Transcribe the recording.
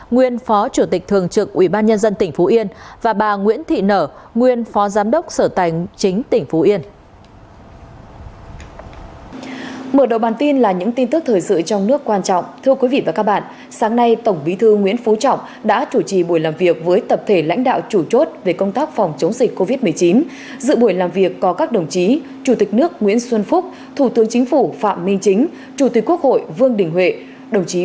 nguyễn phó chủ tịch thường trực ủy ban nhân dân tỉnh phú yên và bà nguyễn thị nở nguyễn phó giám đốc sở tành chính tỉnh phú yên